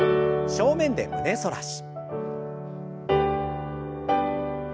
正面で胸反らし。